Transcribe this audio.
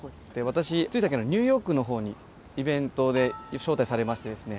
私つい最近ニューヨークのほうにイベントで招待されましてですね